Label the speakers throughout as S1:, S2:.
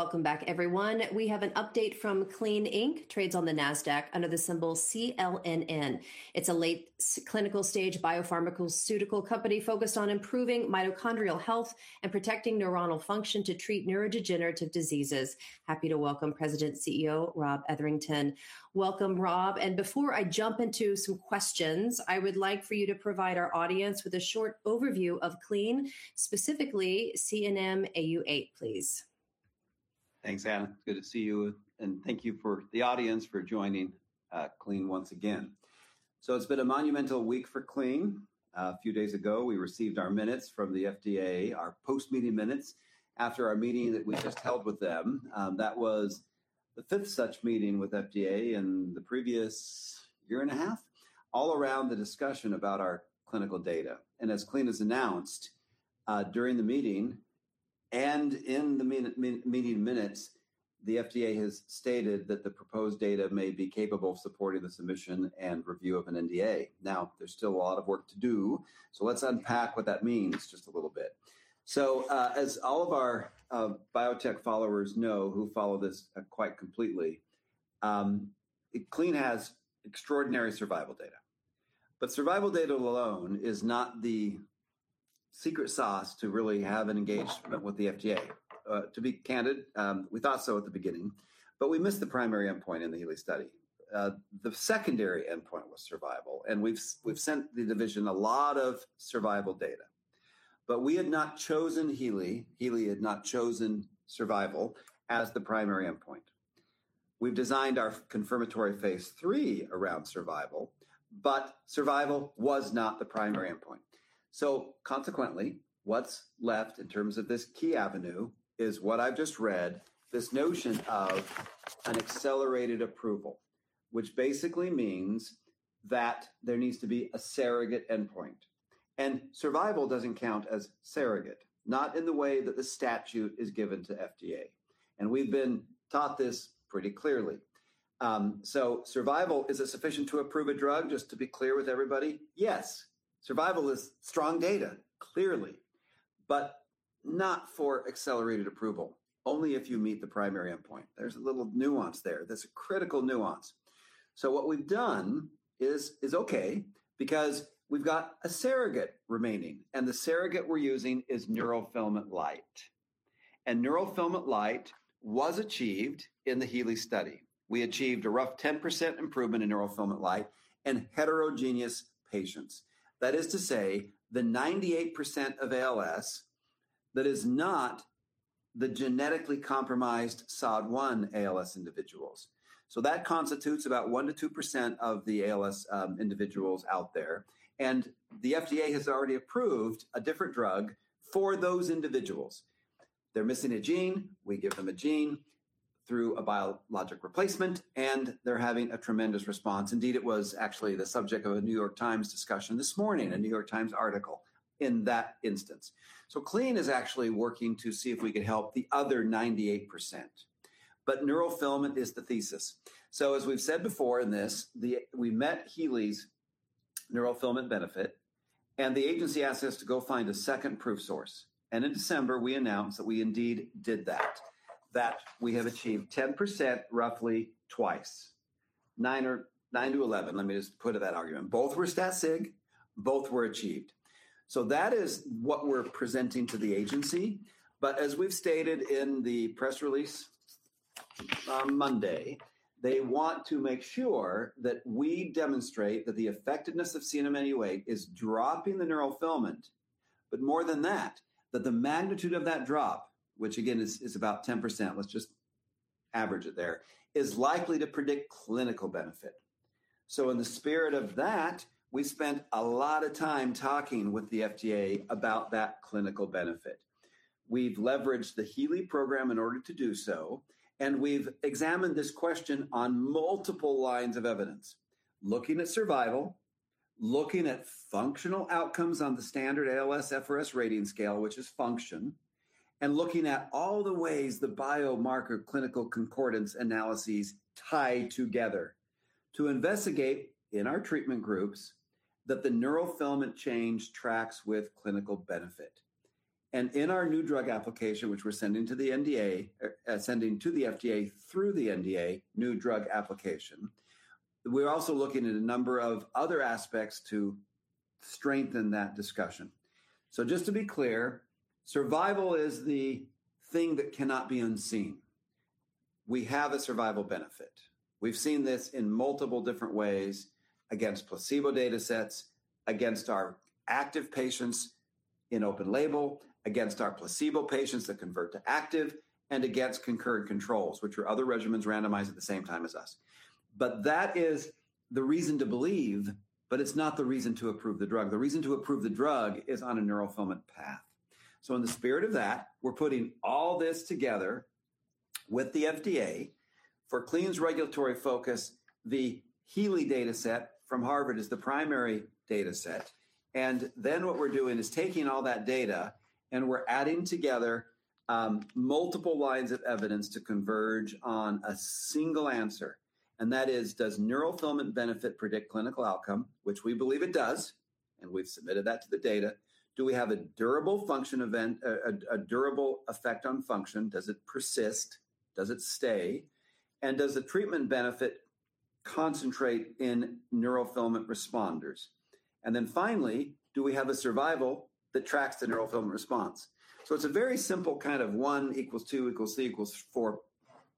S1: Welcome back, everyone. We have an update from Clene Inc., trades on the Nasdaq under the symbol CLNN. It's a late clinical stage biopharmaceutical company focused on improving mitochondrial health and protecting neuronal function to treat neurodegenerative diseases. Happy to welcome President Chief Executive Officer Rob Etherington. Welcome, Rob. Before I jump into some questions, I would like for you to provide our audience with a short overview of Clene, specifically CNM-Au8, please.
S2: Thanks, Ana. Good to see you, and thank you for the audience for joining Clene once again. It's been a monumental week for Clene. A few days ago, we received our minutes from the FDA, our post-meeting minutes after our meeting that we just held with them. That was the fifth such meeting with FDA in the previous year and a half, all around the discussion about our clinical data. As Clene has announced, during the meeting and in the meeting minutes, the FDA has stated that the proposed data may be capable of supporting the submission and review of an NDA. There's still a lot of work to do, let's unpack what that means just a little bit. As all of our biotech followers know who follow this quite completely, Clene has extraordinary survival data. Survival data alone is not the secret sauce to really have an engagement with the FDA. To be candid, we thought so at the beginning, we missed the primary endpoint in the HEALEY study. The secondary endpoint was survival, we've sent the division a lot of survival data. We had not chosen HEALEY had not chosen survival as the primary endpoint. We've designed our confirmatory phase III around survival was not the primary endpoint. Consequently, what's left in terms of this key avenue is what I've just read, this notion of an accelerated approval, which basically means that there needs to be a surrogate endpoint. Survival doesn't count as surrogate, not in the way that the statute is given to FDA. We've been taught this pretty clearly. Survival, is it sufficient to approve a drug, just to be clear with everybody? Yes. Survival is strong data, clearly, but not for Accelerated Approval, only if you meet the primary endpoint. There's a little nuance there. That's a critical nuance. What we've done is okay because we've got a surrogate remaining, and the surrogate we're using is neurofilament light. Neurofilament light was achieved in the HEALEY study. We achieved a rough 10% improvement in neurofilament light in heterogeneous patients. That is to say, the 98% of ALS that is not the genetically compromised SOD1 ALS individuals. That constitutes about 1%-2% of the ALS individuals out there, and the FDA has already approved a different drug for those individuals. They're missing a gene, we give them a gene through a biologic replacement, and they're having a tremendous response. Indeed, it was actually the subject of a New York Times discussion this morning, a New York Times article in that instance. Clene is actually working to see if we could help the other 98%, but neurofilament is the thesis. As we've said before in this, we met HEALEY's neurofilament benefit, the agency asked us to go find a second proof source. In December, we announced that we indeed did that we have achieved 10% roughly twice. nine to 11, let me just put it that argument. Both were stat sig, both were achieved. That is what we're presenting to the agency. As we've stated in the press release on Monday, they want to make sure that we demonstrate that the effectiveness of CNM-Au8 is dropping the neurofilament, but more than that the magnitude of that drop, which again is about 10%, let's just average it there, is likely to predict clinical benefit. In the spirit of that, we spent a lot of time talking with the FDA about that clinical benefit. We've leveraged the HEALEY program in order to do so, and we've examined this question on multiple lines of evidence, looking at survival, looking at functional outcomes on the standard ALSFRS-R rating scale, which is function, and looking at all the ways the biomarker clinical concordance analyses tie together to investigate in our treatment groups that the neurofilament change tracks with clinical benefit. In our new drug application, which we're sending to the NDA, sending to the FDA through the NDA, new drug application, we're also looking at a number of other aspects to strengthen that discussion. Just to be clear, survival is the thing that cannot be unseen. We have a survival benefit. We've seen this in multiple different ways against placebo data sets, against our active patients in open label, against our placebo patients that convert to active, and against concurrent controls, which are other regimens randomized at the same time as us. That is the reason to believe, but it's not the reason to approve the drug. The reason to approve the drug is on a neurofilament path. In the spirit of that, we're putting all this together with the FDA. For Clene's regulatory focus, the HEALEY data set from Harvard is the primary data set. Then what we're doing is taking all that data and we're adding together multiple lines of evidence to converge on a single answer, and that is, does neurofilament benefit predict clinical outcome, which we believe it does. And we've submitted that to the data. Do we have a durable effect on function? Does it persist? Does it stay? Does the treatment benefit concentrate in neurofilament responders? Then finally, do we have a survival that tracks the neurofilament response? It's a very simple kind of one equals two equals three equals four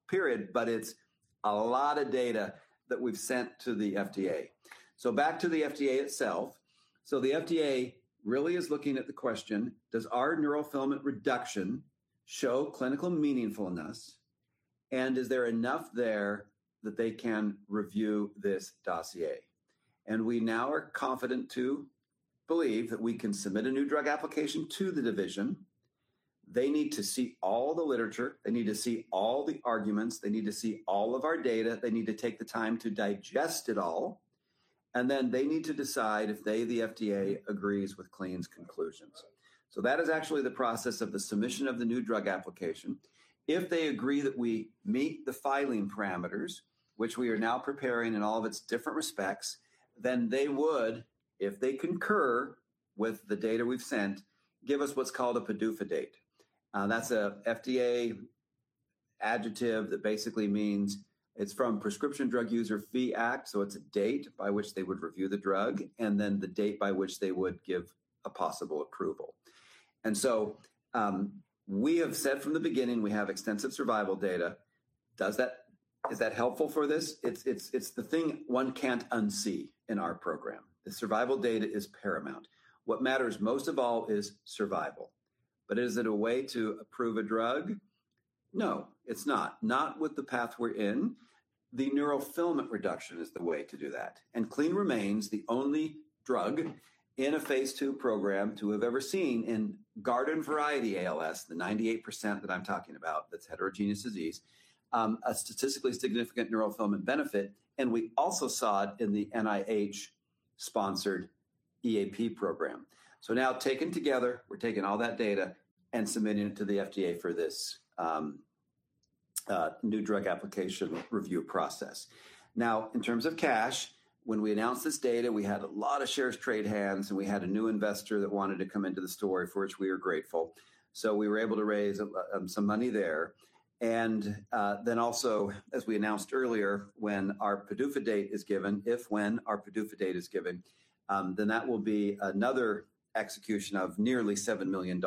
S2: period, but it's a lot of data that we've sent to the FDA. Back to the FDA itself. The FDA really is looking at the question: Does our neurofilament reduction show clinical meaningfulness, and is there enough there that they can review this dossier? We now are confident to believe that we can submit a new drug application to the division. They need to see all the literature, they need to see all the arguments, they need to see all of our data, they need to take the time to digest it all, and then they need to decide if they, the FDA, agrees with Clene's conclusions. That is actually the process of the submission of the new drug application. If they agree that we meet the filing parameters, which we are now preparing in all of its different respects, then they would, if they concur with the data we've sent, give us what's called a PDUFA date. That's a FDA adjective that basically means it's from Prescription Drug User Fee Act, so it's a date by which they would review the drug and then the date by which they would give a possible approval. We have said from the beginning we have extensive survival data. Is that helpful for this? It's the thing one can't unsee in our program. The survival data is paramount. What matters most of all is survival. Is it a way to approve a drug? No, it's not. Not with the path we're in. The neurofilament reduction is the way to do that. Clene remains the only drug in a phase II program to have ever seen in garden variety ALS, the 98% that I'm talking about, that's heterogeneous disease, a statistically significant neurofilament benefit, and we also saw it in the NIH-sponsored EAP program. Now taken together, we're taking all that data and submitting it to the FDA for this new drug application review process. Now, in terms of cash, when we announced this data, we had a lot of shares trade hands, and we had a new investor that wanted to come into the story, for which we are grateful. We were able to raise some money there. Then also, as we announced earlier, when our PDUFA date is given, if/when our PDUFA date is given, then that will be another execution of nearly $7 million.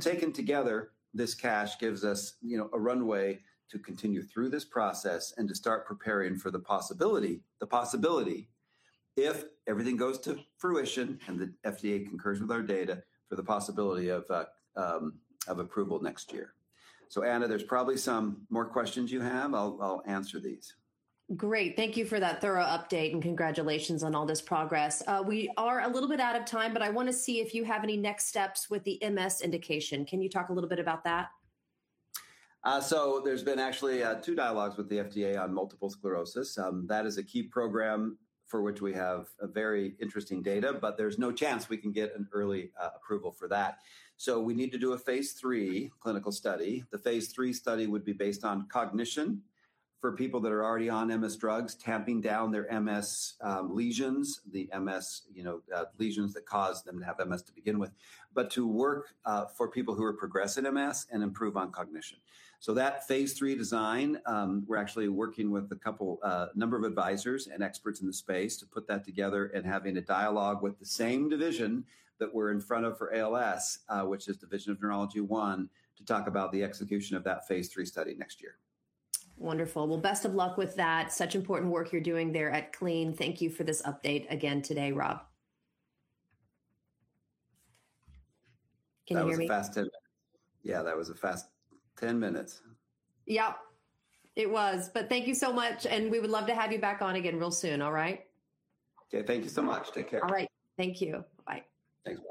S2: Taken together, this cash gives us, you know, a runway to continue through this process and to start preparing for the possibility, if everything goes to fruition and the FDA concurs with our data, for the possibility of approval next year. Ana, there's probably some more questions you have. I'll answer these.
S1: Great. Thank you for that thorough update, and congratulations on all this progress. We are a little bit out of time, but I wanna see if you have any next steps with the MS indication. Can you talk a little bit about that?
S2: There's been actually two dialogues with the FDA on multiple sclerosis. That is a key program for which we have a very interesting data, but there's no chance we can get an early approval for that. We need to do a phase III clinical study. The phase III study would be based on cognition for people that are already on MS drugs, tamping down their MS lesions, the MS lesions that cause them to have MS to begin with, but to work for people who are progressing MS and improve on cognition. That phase III design, we're actually working with a couple, number of advisors and experts in the space to put that together and having a dialogue with the same division that we're in front of for ALS, which is Division of Neurology 1, to talk about the execution of that phase III study next year.
S1: Wonderful. Well, best of luck with that. Such important work you're doing there at Clene. Thank you for this update again today, Rob. Can you hear me?
S2: That was a fast 10 minutes. That was a fast 10 minutes.
S1: Yep. It was. Thank you so much, and we would love to have you back on again real soon, all right?
S2: Okay. Thank you so much. Take care.
S1: All right. Thank you. Bye.
S2: Thanks. Bye